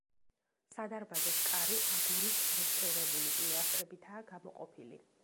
სადარბაზოს კარი აგურის რუსტირებული პილასტრებითაა გამოყოფილი.